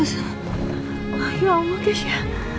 ya allah kecia